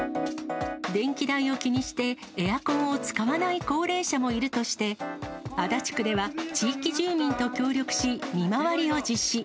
電気代を気にしてエアコンを使わない高齢者もいるとして、足立区では地域住民と協力し、見回りを実施。